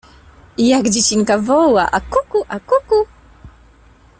I jak dziecinka woła: a kuku, a kuku.